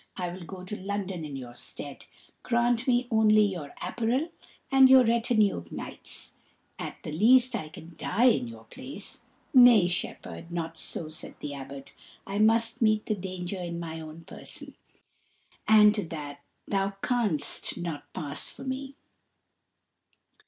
I will go to London in your stead; grant me only your apparel and your retinue of knights. At the least I can die in your place." "Nay, shepherd, not so," said the Abbot; "I must meet the danger in my own person. And to that, thou canst not pass for me."